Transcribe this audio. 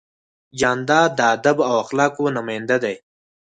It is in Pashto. جانداد د ادب او اخلاقو نماینده دی.